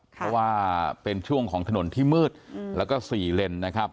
เพราะว่าเป็นช่วงของถนนที่มืดแล้วก็๔เลนนะครับ